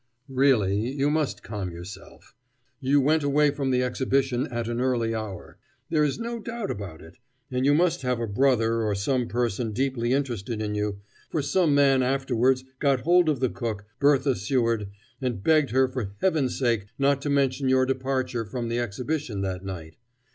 "Really you must calm yourself. You went away from the Exhibition at an early hour. There is no doubt about it, and you must have a brother or some person deeply interested in you, for some man afterwards got hold of the cook, Bertha Seward, and begged her for Heaven's sake not to mention your departure from the Exhibition that night.